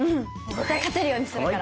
絶対勝てるようにするから！